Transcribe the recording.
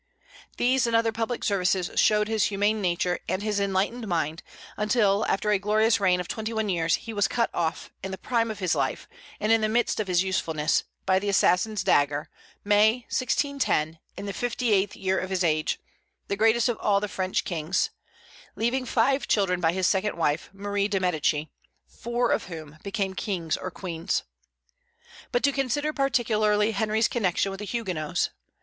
These and other public services showed his humane nature and his enlightened mind, until, after a glorious reign of twenty one years, he was cut off, in the prime of his life and in the midst of his usefulness, by the assassin's dagger, May, 1610, in the fifty eighth year of his age, the greatest of all the French kings, leaving five children by his second wife, Marie de Médicis, four of whom became kings or queens. But to consider particularly Henry's connection with the Huguenots.